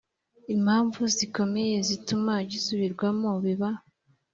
impamvu zikomeye zituma gisubirwamo biba